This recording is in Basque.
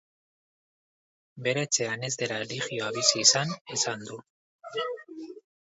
Bere etxean ez dela erlijioa bizi izan esan du.